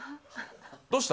どうした？